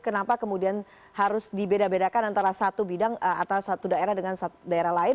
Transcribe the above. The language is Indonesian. kenapa kemudian harus dibeda bedakan antara satu bidang atau satu daerah dengan daerah lain